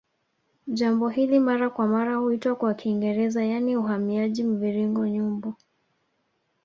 Jambo hili la mara kwa mara huitwa kwa Kiingereza yaani uhamiaji mviringo Nyumbu